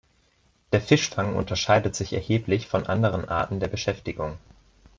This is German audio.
Der Fischfang unterscheidet sich erheblich von anderen Arten der Beschäftigung.